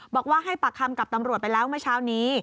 บอกว่าให้ปากคำกับตำรวจไปแล้วเมื่อเช้านี้